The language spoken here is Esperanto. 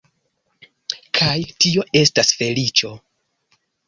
Kaj tio estas feliĉo.